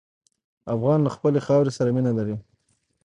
افغان له خپلې خاورې سره مینه لري.